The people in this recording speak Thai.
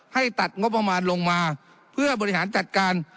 ให้ตัดงบประมาณลงมาเพื่อบริหารจัดการ